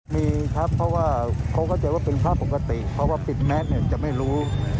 มีครับเพราะว่าเขาเข้าใจว่าเป็นภาพปกติเพราะว่าปิดแมสเนี่ยจะไม่รู้